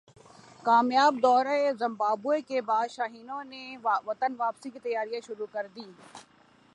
کامیاب دورہ زمبابوے کے بعد شاہینوں نے وطن واپسی کی تیاریاں شروع کردیں